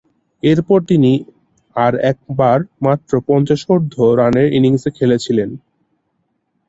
এরপর তিনি আর একবার মাত্র পঞ্চাশোর্ধ্ব রানের ইনিংসে খেলেছিলেন।